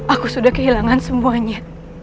aku sudah kehilangan semuanya